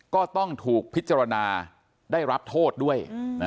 ก็ต้องถูกพิจารณาได้รับโทษด้วย